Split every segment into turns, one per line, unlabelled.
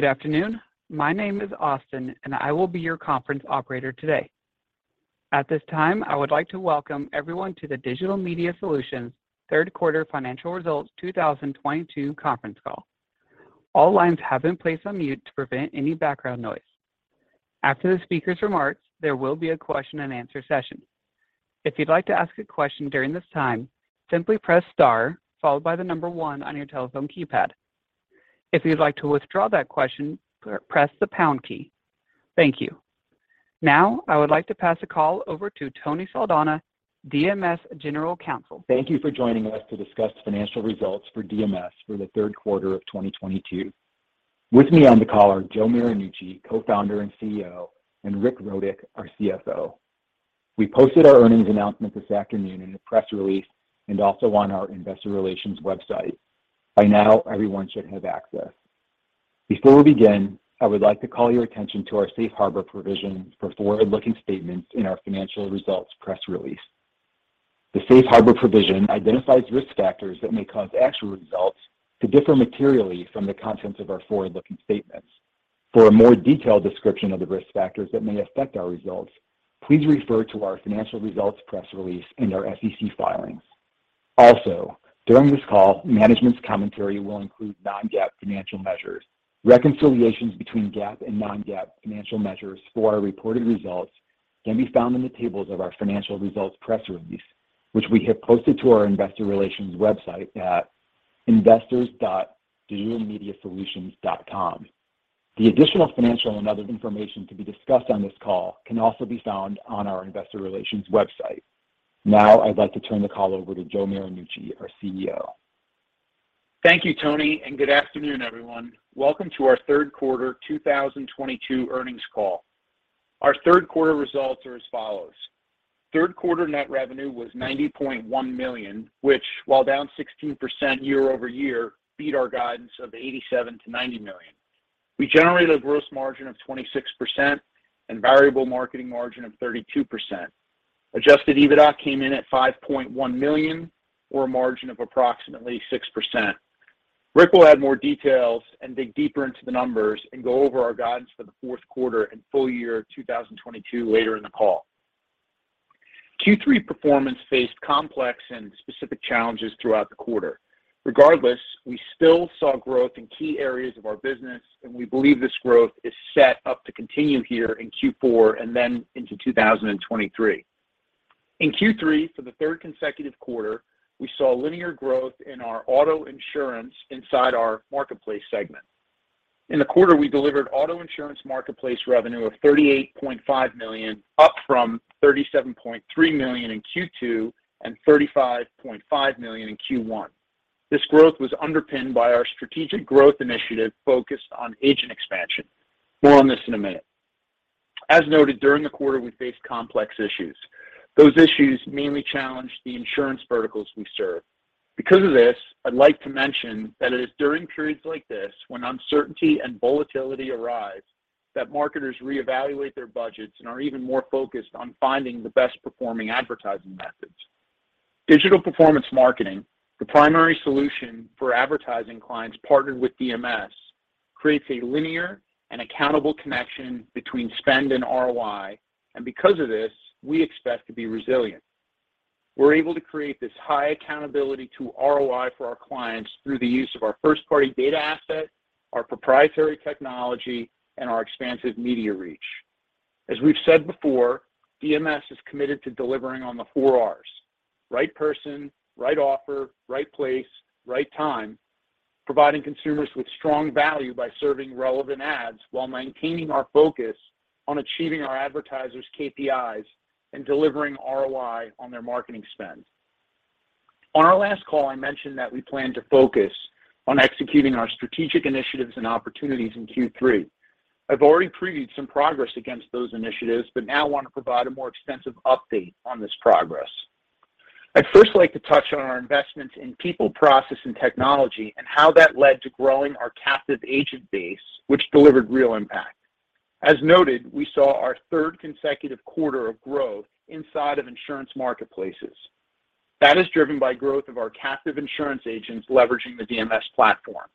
Good afternoon. My name is Austin, and I will be your conference operator today. At this time, I would like to welcome everyone to the Digital Media Solutions third quarter financial results 2022 conference call. All lines have been placed on mute to prevent any background noise. After the speaker's remarks, there will be a question and answer session. If you'd like to ask a question during this time, simply press star followed by the number one on your telephone keypad. If you'd like to withdraw that question, press the pound key. Thank you. Now, I would like to pass the call over to Tony Saldana, DMS General Counsel.
Thank you for joining us to discuss financial results for DMS for the third quarter of 2022. With me on the call are Joe Marinucci, Co-founder and CEO, and Richard Rodick, our CFO. We posted our earnings announcement this afternoon in a press release and also on our investor relations website. By now, everyone should have access. Before we begin, I would like to call your attention to our safe harbor provision for forward-looking statements in our financial results press release. The safe harbor provision identifies risk factors that may cause actual results to differ materially from the contents of our forward-looking statements. For a more detailed description of the risk factors that may affect our results, please refer to our financial results press release and our SEC filings. Also, during this call, management's commentary will include non-GAAP financial measures. Reconciliations between GAAP and non-GAAP financial measures for our reported results can be found in the tables of our financial results press release, which we have posted to our investor relations website at investors.digitalmediasolutions.com. The additional financial and other information to be discussed on this call can also be found on our investor relations website. Now I'd like to turn the call over to Joe Marinucci, our CEO.
Thank you, Tony, and good afternoon, everyone. Welcome to our third quarter 2022 earnings call. Our third quarter results are as follows. Third quarter net revenue was $90.1 million, which while down 16% year over year, beat our guidance of $87 million-$90 million. We generated a gross margin of 26% and variable marketing margin of 32%. Adjusted EBITDA came in at $5.1 million or a margin of approximately 6%. Rick will add more details and dig deeper into the numbers and go over our guidance for the fourth quarter and full year 2022 later in the call. Q3 performance faced complex and specific challenges throughout the quarter. Regardless, we still saw growth in key areas of our business, and we believe this growth is set up to continue here in Q4 and then into 2023. In Q3, for the third consecutive quarter, we saw linear growth in our auto insurance inside our marketplace segment. In the quarter, we delivered auto insurance marketplace revenue of $38.5 million, up from $37.3 million in Q2, and $35.5 million in Q1. This growth was underpinned by our strategic growth initiative focused on agent expansion. More on this in a minute. As noted, during the quarter, we faced complex issues. Those issues mainly challenged the insurance verticals we serve. Because of this, I'd like to mention that it is during periods like this when uncertainty and volatility arise that marketers reevaluate their budgets and are even more focused on finding the best performing advertising methods. Digital performance marketing, the primary solution for advertising clients partnered with DMS, creates a linear and accountable connection between spend and ROI. Because of this, we expect to be resilient. We're able to create this high accountability to ROI for our clients through the use of our first-party data asset, our proprietary technology, and our expansive media reach. As we've said before, DMS is committed to delivering on the four R's, right person, right offer, right place, right time, providing consumers with strong value by serving relevant ads while maintaining our focus on achieving our advertisers' KPIs and delivering ROI on their marketing spend. On our last call, I mentioned that we plan to focus on executing our strategic initiatives and opportunities in Q3. I've already previewed some progress against those initiatives, but now want to provide a more extensive update on this progress. I'd first like to touch on our investments in people, process, and technology and how that led to growing our captive agent base, which delivered real impact. As noted, we saw our third consecutive quarter of growth inside of insurance marketplaces. That is driven by growth of our captive insurance agents leveraging the DMS platform.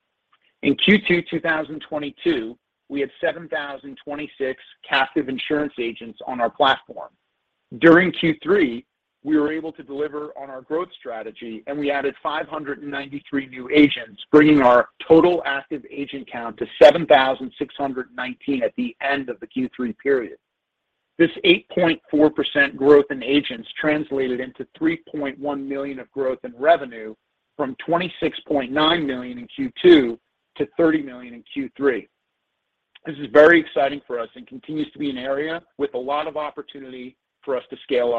In Q2 2022, we had 7,026 captive insurance agents on our platform. During Q3, we were able to deliver on our growth strategy, and we added 593 new agents, bringing our total active agent count to 7,619 at the end of the Q3 period. This 8.4% growth in agents translated into $3.1 million of growth in revenue from $26.9 million in Q2 to $30 million in Q3. This is very exciting for us and continues to be an area with a lot of opportunity for us to scale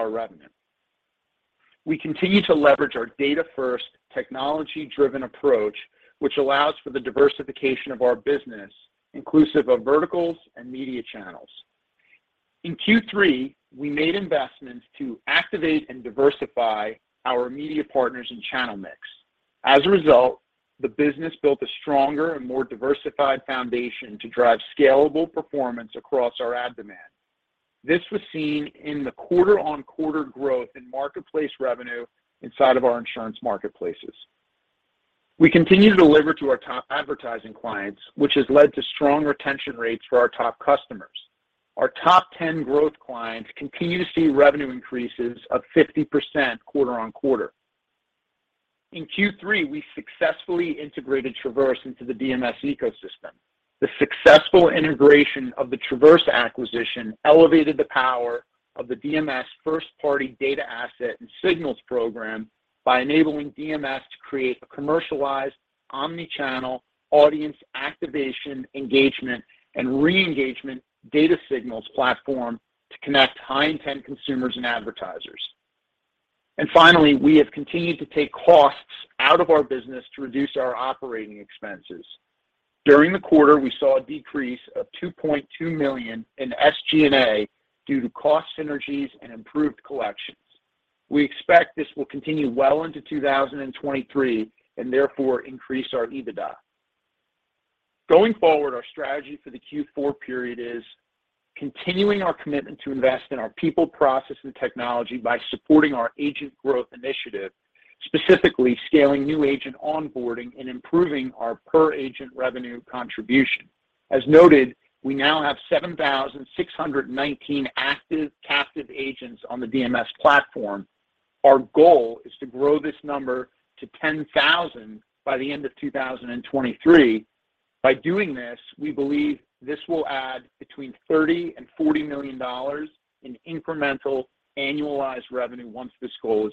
our revenue. We continue to leverage our data-first, technology-driven approach, which allows for the diversification of our business, inclusive of verticals and media channels. In Q3, we made investments to activate and diversify our media partners and channel mix. As a result, the business built a stronger and more diversified foundation to drive scalable performance across our ad demand. This was seen in the quarter on quarter growth in marketplace revenue inside of our insurance marketplaces. We continue to deliver to our top advertising clients, which has led to strong retention rates for our top customers. Our top 10 growth clients continue to see revenue increases of 50% quarter-over-quarter. In Q3, we successfully integrated Traverse into the DMS ecosystem. The successful integration of the Traverse acquisition elevated the power of the DMS first party data asset and signals program by enabling DMS to create a commercialized omnichannel audience activation, engagement, and re-engagement data signals platform to connect high-intent consumers and advertisers. Finally, we have continued to take costs out of our business to reduce our operating expenses. During the quarter, we saw a decrease of $2.2 million in SG&A due to cost synergies and improved collections. We expect this will continue well into 2023, and therefore, increase our EBITDA. Going forward, our strategy for the Q4 period is continuing our commitment to invest in our people, process, and technology by supporting our agent growth initiative, specifically scaling new agent onboarding and improving our per-agent revenue contribution. As noted, we now have 7,619 active captive agents on the DMS platform. Our goal is to grow this number to 10,000 by the end of 2023. By doing this, we believe this will add between $30 million and $40 million in incremental annualized revenue once this goal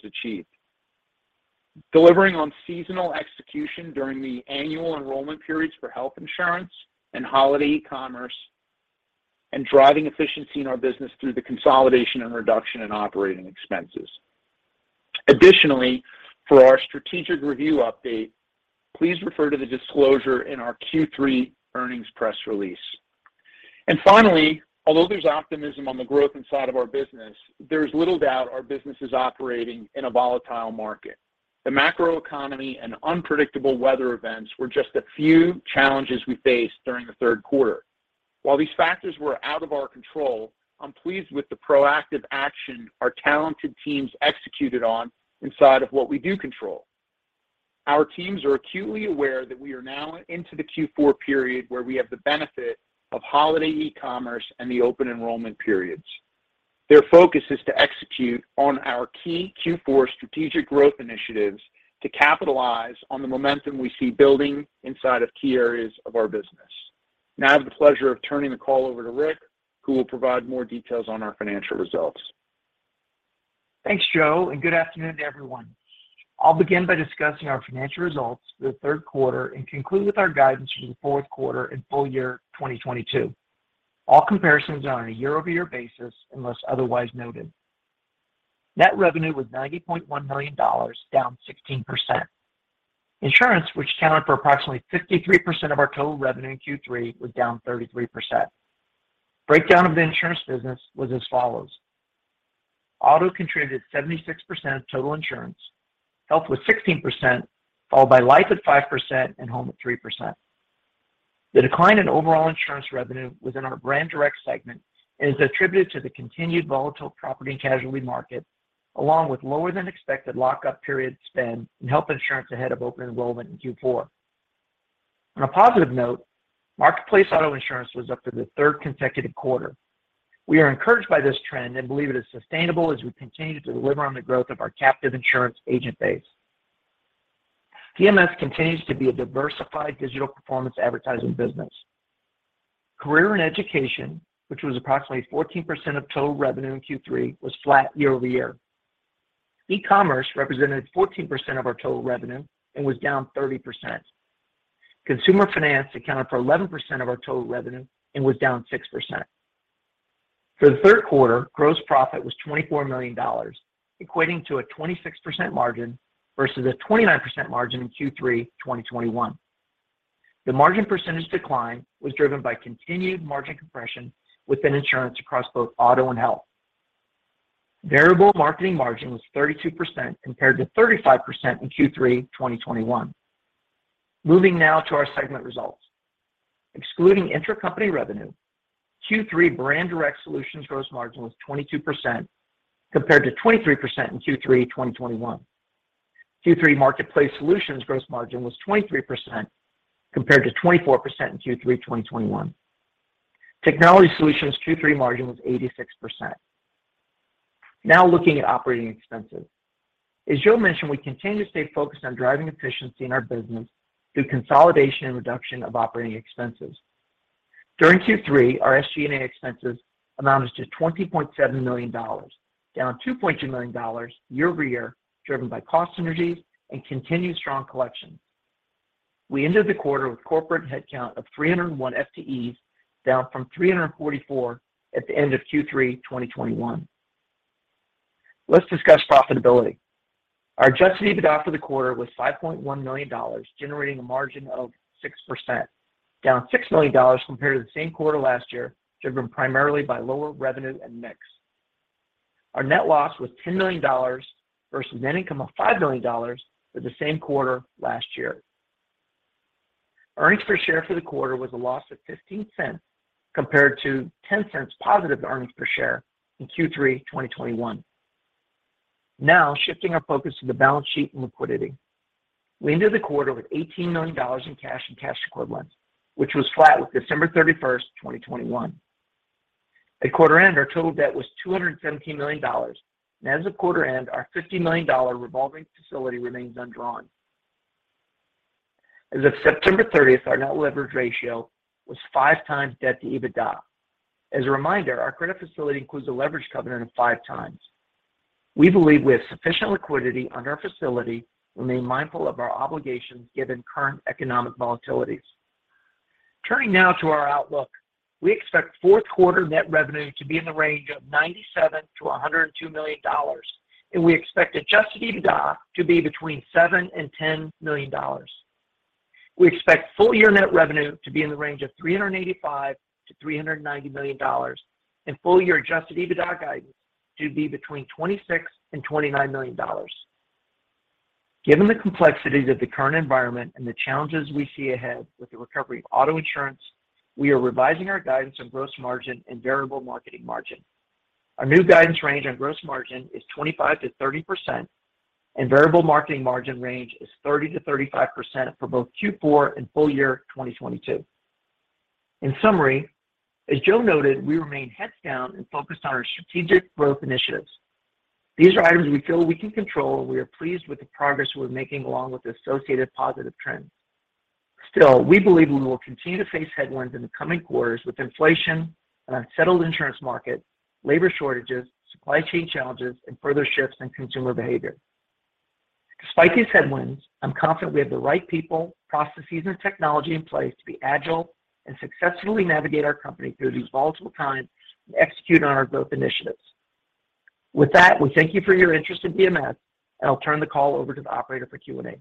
is achieved. Delivering on seasonal execution during the annual enrollment periods for health insurance and holiday e-commerce, and driving efficiency in our business through the consolidation and reduction in operating expenses. Additionally, for our strategic review update, please refer to the disclosure in our Q3 earnings press release. Finally, although there's optimism on the growth inside of our business, there's little doubt our business is operating in a volatile market. The macroeconomy and unpredictable weather events were just a few challenges we faced during the third quarter. While these factors were out of our control, I'm pleased with the proactive action our talented teams executed on inside of what we do control. Our teams are acutely aware that we are now into the Q4 period, where we have the benefit of holiday e-commerce and the open enrollment periods. Their focus is to execute on our key Q4 strategic growth initiatives to capitalize on the momentum we see building inside of key areas of our business. Now I have the pleasure of turning the call over to Rick, who will provide more details on our financial results.
Thanks, Joe, and good afternoon to everyone. I'll begin by discussing our financial results for the third quarter and conclude with our guidance for the fourth quarter and full year 2022. All comparisons are on a year-over-year basis, unless otherwise noted. Net revenue was $90.1 million, down 16%. Insurance, which accounted for approximately 53% of our total revenue in Q3, was down 33%. Breakdown of the insurance business was as follows. Auto contributed 76% of total insurance, Health was 16%, followed by Life at 5%, and Home at 3%. The decline in overall insurance revenue within our Brand Direct segment is attributed to the continued volatile property and casualty market, along with lower than expected lock-up period spend in health insurance ahead of open enrollment in Q4. On a positive note, marketplace auto insurance was up for the third consecutive quarter. We are encouraged by this trend and believe it is sustainable as we continue to deliver on the growth of our captive insurance agent base. DMS continues to be a diversified digital performance advertising business. Career in education, which was approximately 14% of total revenue in Q3, was flat year-over-year. E-commerce represented 14% of our total revenue and was down 30%. Consumer finance accounted for 11% of our total revenue and was down 6%. For the third quarter, gross profit was $24 million, equating to a 26% margin versus a 29% margin in Q3 2021. The margin percentage decline was driven by continued margin compression within insurance across both auto and health. Variable marketing margin was 32% compared to 35% in Q3 2021. Moving now to our segment results. Excluding intercompany revenue, Q3 Brand Direct Solutions gross margin was 22% compared to 23% in Q3 2021. Q3 Marketplace Solutions gross margin was 23% compared to 24% in Q3 2021. Technology Solutions Q3 margin was 86%. Now looking at operating expenses. As Joe mentioned, we continue to stay focused on driving efficiency in our business through consolidation and reduction of operating expenses. During Q3, our SG&A expenses amounted to $20.7 million, down $2.2 million year-over-year, driven by cost synergies and continued strong collections. We ended the quarter with corporate headcount of 301 FTEs, down from 344 at the end of Q3 2021. Let's discuss profitability. Our Adjusted EBITDA for the quarter was $5.1 million, generating a margin of 6%, down $6 million compared to the same quarter last year, driven primarily by lower revenue and mix. Our net loss was $10 million versus net income of $5 million for the same quarter last year. Earnings per share for the quarter was a loss of $0.15 compared to $0.10 positive earnings per share in Q3 2021. Now shifting our focus to the balance sheet and liquidity. We ended the quarter with $18 million in cash and cash equivalents, which was flat with December 31, 2021. At quarter-end, our total debt was $217 million. As of quarter-end, our $50 million revolving facility remains undrawn. As of September 30, our net leverage ratio was 5x debt to EBITDA. As a reminder, our credit facility includes a leverage covenant of 5x. We believe we have sufficient liquidity under our facility and remain mindful of our obligations given current economic volatilities. Turning now to our outlook. We expect fourth quarter net revenue to be in the range of $97 million-$102 million, and we expect Adjusted EBITDA to be between $7 million and $10 million. We expect full year net revenue to be in the range of $385 million-$390 million and full year Adjusted EBITDA guidance to be between $26 million and $29 million. Given the complexities of the current environment and the challenges we see ahead with the recovery of auto insurance, we are revising our guidance on gross margin and variable marketing margin. Our new guidance range on gross margin is 25%-30%, and variable marketing margin range is 30%-35% for both Q4 and full year 2022. In summary, as Joe noted, we remain heads down and focused on our strategic growth initiatives. These are items we feel we can control, and we are pleased with the progress we're making along with the associated positive trends. Still, we believe we will continue to face headwinds in the coming quarters with inflation and unsettled insurance market, labor shortages, supply chain challenges, and further shifts in consumer behavior. Despite these headwinds, I'm confident we have the right people, processes, and technology in place to be agile and successfully navigate our company through these volatile times and execute on our growth initiatives. With that, we thank you for your interest in DMS, and I'll turn the call over to the operator for Q&A.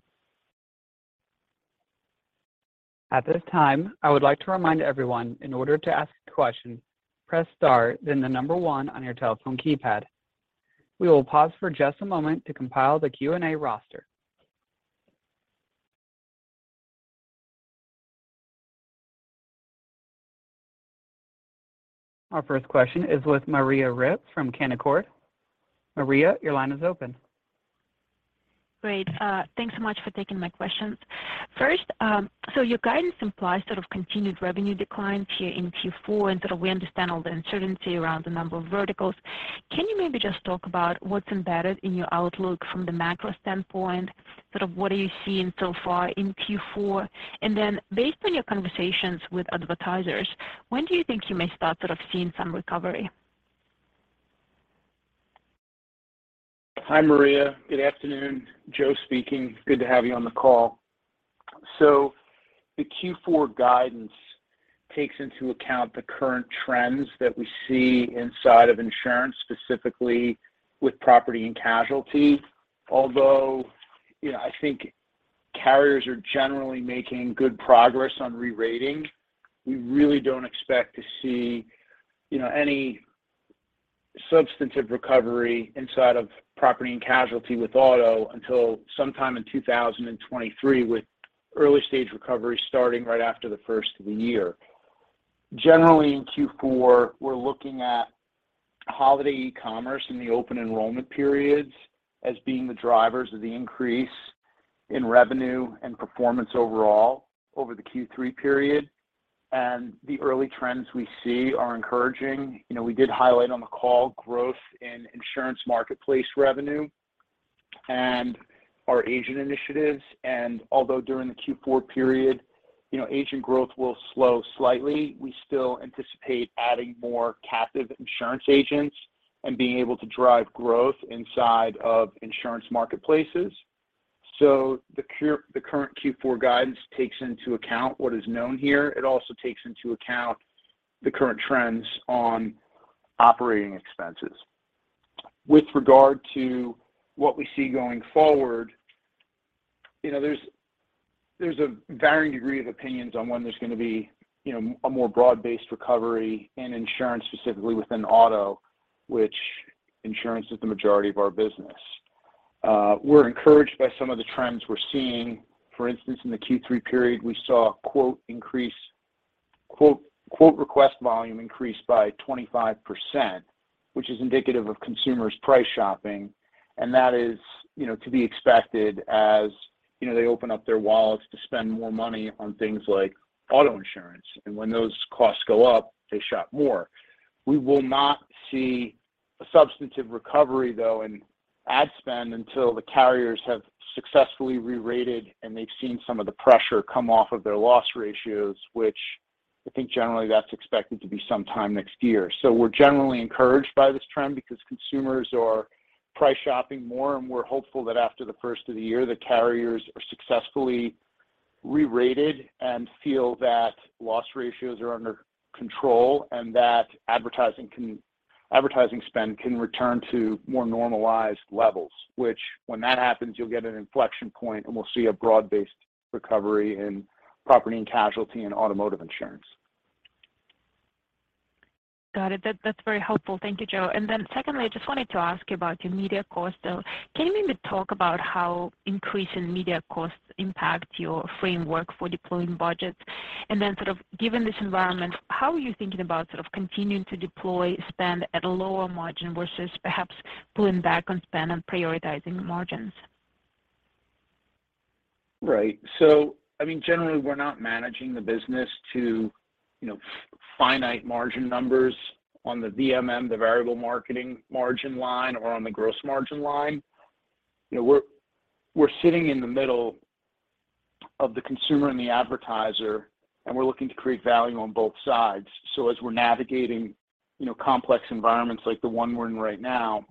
At this time, I would like to remind everyone, in order to ask a question, press star, then the number one on your telephone keypad. We will pause for just a moment to compile the Q&A roster. Our first question is with Maria Ripps from Canaccord. Maria, your line is open.
Great. Thanks so much for taking my questions. First, your guidance implies sort of continued revenue declines here in Q4, and sort of we understand all the uncertainty around the number of verticals. Can you maybe just talk about what's embedded in your outlook from the macro standpoint? Sort of what are you seeing so far in Q4? Based on your conversations with advertisers, when do you think you may start sort of seeing some recovery?
Hi, Maria. Good afternoon. Joe speaking. Good to have you on the call. The Q4 guidance takes into account the current trends that we see inside of insurance, specifically with property and casualty. Although, you know, I think carriers are generally making good progress on re-rating, we really don't expect to see, you know, any substantive recovery inside of property and casualty with auto until sometime in 2023, with early stage recovery starting right after the first of the year. Generally in Q4, we're looking at holiday e-commerce in the open enrollment periods as being the drivers of the increase in revenue and performance overall over the Q3 period. The early trends we see are encouraging. You know, we did highlight on the call growth in insurance marketplace revenue and our agent initiatives. Although during the Q4 period, you know, agent growth will slow slightly, we still anticipate adding more captive insurance agents and being able to drive growth inside of insurance marketplaces. The current Q4 guidance takes into account what is known here. It also takes into account the current trends on operating expenses. With regard to what we see going forward, you know, there's a varying degree of opinions on when there's going to be, you know, a more broad based recovery in insurance, specifically within auto, which insurance is the majority of our business. We're encouraged by some of the trends we're seeing. For instance, in the Q3 period, we saw a quote request volume increase by 25%, which is indicative of consumers price shopping. That is, you know, to be expected as, you know, they open up their wallets to spend more money on things like auto insurance. When those costs go up, they shop more. We will not see a substantive recovery, though, in ad spend until the carriers have successfully re-rated, and they've seen some of the pressure come off of their loss ratios, which I think generally that's expected to be sometime next year. We're generally encouraged by this trend because consumers are price shopping more, and we're hopeful that after the first of the year, the carriers are successfully re-rated and feel that loss ratios are under control and that advertising spend can return to more normalized levels, which when that happens, you'll get an inflection point, and we'll see a broad-based recovery in property and casualty and automotive insurance.
Got it. That, that's very helpful. Thank you, Joe. Secondly, I just wanted to ask you about your media costs. Can you maybe talk about how increase in media costs impact your framework for deploying budgets? Sort of given this environment, how are you thinking about sort of continuing to deploy spend at a lower margin versus perhaps pulling back on spend and prioritizing margins?
Right. I mean, generally, we're not managing the business to, you know, finite margin numbers on the VMM, the variable marketing margin line or on the gross margin line. You know, we're sitting in the middle of the consumer and the advertiser, and we're looking to create value on both sides. As we're navigating, you know, complex environments like the one we're in right now,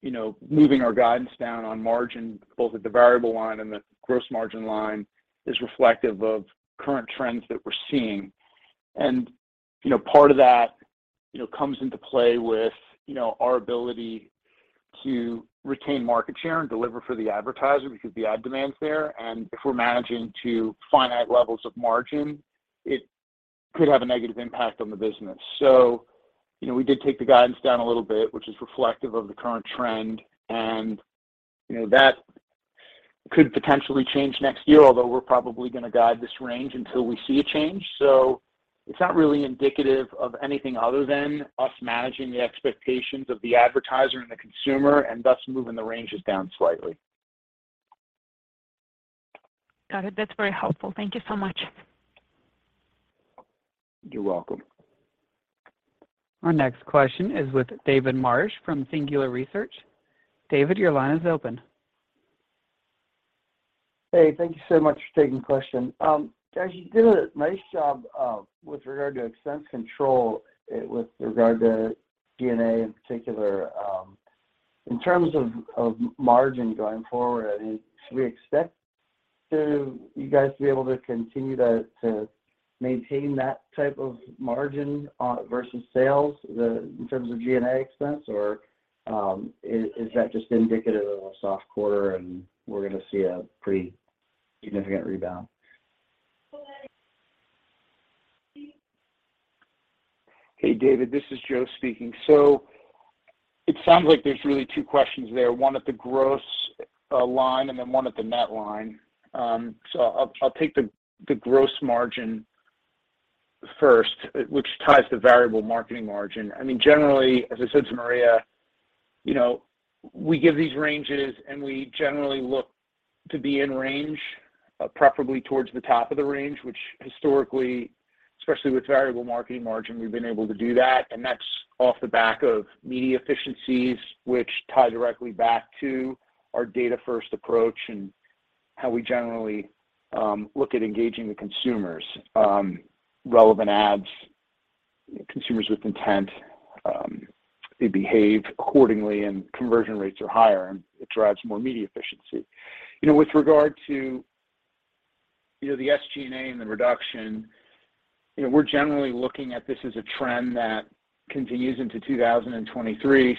you know, moving our guidance down on margin, both at the variable line and the gross margin line, is reflective of current trends that we're seeing. Part of that, you know, comes into play with, you know, our ability to retain market share and deliver for the advertiser because the ad demand's there. If we're managing to finite levels of margin, it could have a negative impact on the business. You know, we did take the guidance down a little bit, which is reflective of the current trend. You know, that could potentially change next year, although we're probably gonna guide this range until we see a change. It's not really indicative of anything other than us managing the expectations of the advertiser and the consumer and thus moving the ranges down slightly.
Got it. That's very helpful. Thank you so much.
You're welcome.
Our next question is with David Marsh from Singular Research. David, your line is open.
Hey, thank you so much for taking the question. Guys, you did a nice job with regard to expense control with regard to G&A in particular. In terms of margin going forward, I mean, should we expect you guys to be able to continue to maintain that type of margin versus sales in terms of G&A expense? Or is that just indicative of a soft quarter and we're gonna see a pretty significant rebound?
Hey, David, this is Joe speaking. It sounds like there's really two questions there, one at the gross line and then one at the net line. I'll take the gross margin first, which ties to variable marketing margin. I mean, generally, as I said to Maria, you know, we give these ranges, and we generally look to be in range, preferably towards the top of the range, which historically, especially with variable marketing margin, we've been able to do that. That's off the back of media efficiencies, which tie directly back to our data-first approach and how we generally look at engaging the consumers. Relevant ads, consumers with intent, they behave accordingly, and conversion rates are higher, and it drives more media efficiency. You know, with regard to, you know, the SG&A and the reduction, you know, we're generally looking at this as a trend that continues into 2023.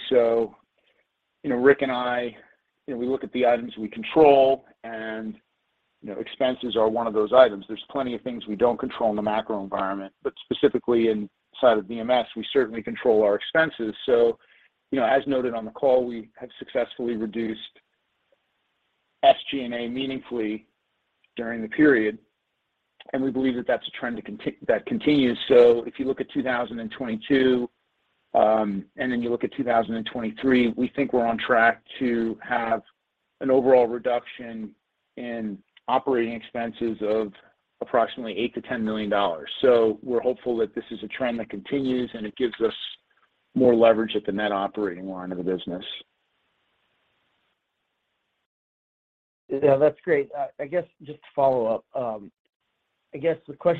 You know, Rick and I, you know, we look at the items we control, and, you know, expenses are one of those items. There's plenty of things we don't control in the macro environment, but specifically inside of DMS, we certainly control our expenses. You know, as noted on the call, we have successfully reduced SG&A meaningfully during the period, and we believe that that's a trend that continues. If you look at 2022, and then you look at 2023, we think we're on track to have an overall reduction in operating expenses of approximately $8-$10 million. We're hopeful that this is a trend that continues, and it gives us more leverage at the net operating line of the business.
Yeah, that's great. I guess just to follow up,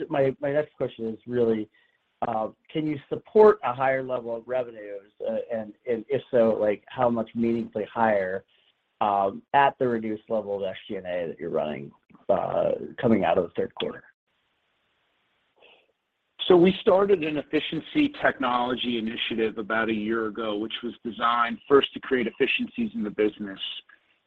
my next question is really, can you support a higher level of revenues? If so, like, how much meaningfully higher, at the reduced level of SG&A that you're running, coming out of the third quarter?
We started an efficiency technology initiative about a year ago, which was designed first to create efficiencies in the business.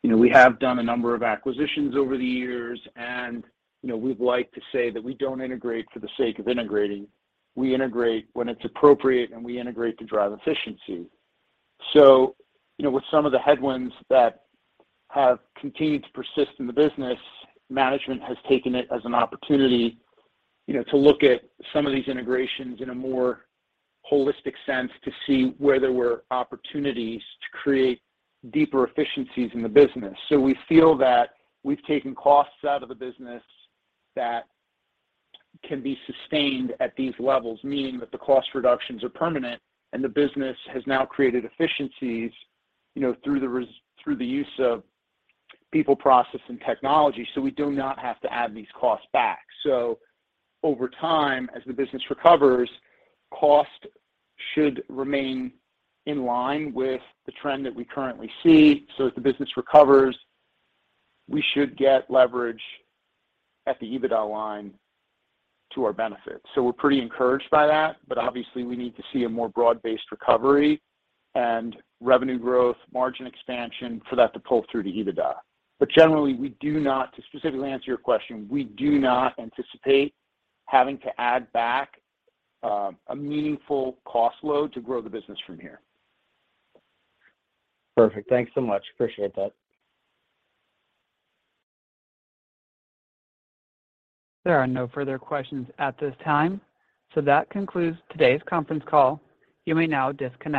You know, we have done a number of acquisitions over the years and, you know, we'd like to say that we don't integrate for the sake of integrating. We integrate when it's appropriate, and we integrate to drive efficiency. You know, with some of the headwinds that have continued to persist in the business, management has taken it as an opportunity, you know, to look at some of these integrations in a more holistic sense to see where there were opportunities to create deeper efficiencies in the business. We feel that we've taken costs out of the business that can be sustained at these levels, meaning that the cost reductions are permanent and the business has now created efficiencies, you know, through the use of people, process, and technology, so we do not have to add these costs back. Over time, as the business recovers, cost should remain in line with the trend that we currently see. As the business recovers, we should get leverage at the EBITDA line to our benefit. We're pretty encouraged by that, but obviously, we need to see a more broad-based recovery and revenue growth, margin expansion for that to pull through to EBITDA. Generally, we do not to specifically answer your question, we do not anticipate having to add back, a meaningful cost load to grow the business from here.
Perfect. Thanks so much. Appreciate that.
There are no further questions at this time. That concludes today's conference call. You may now disconnect.